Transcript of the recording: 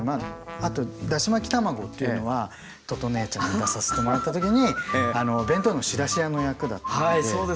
あとだし巻き卵っていうのは「とと姉ちゃん」に出させてもらった時に弁当の仕出し屋の役だったので。